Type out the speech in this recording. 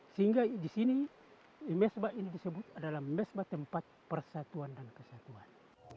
sehingga disini mesbah ini disebut adalah mesbah tempat persatuan dan kesatuan